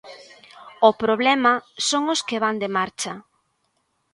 O problema son os que van de marcha.